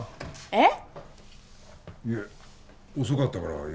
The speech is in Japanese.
えっ？